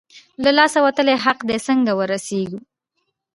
له لاسه وتلی حق دی، څنګه ورسېږو؟